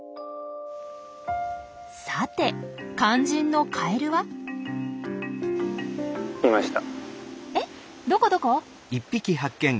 さて肝心のカエルは？えっどこどこ？